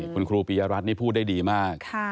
คุณครูปียรัฐนี่พูดได้ดีมาก